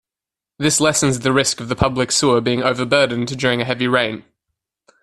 This lessens the risk of the public sewer being overburdened during a heavy rain.